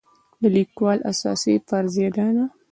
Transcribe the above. د لیکوال اساسي فرضیه دا ده.